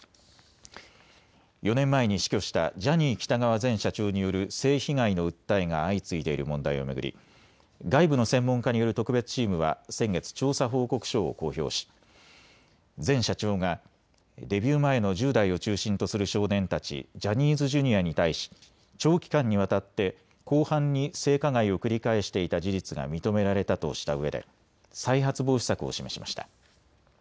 ４年前に死去したジャニー喜多川前社長による性被害の訴えが相次いでいる問題を巡り、外部の専門家による特別チームは先月、調査報告書を公表し前社長がデビュー前の１０代を中心とする少年たち、ジャニーズＪｒ．に対し長期間にわたって広範に性加害を繰り返していた事実が認められたとしたうえで再発防止策を示しました。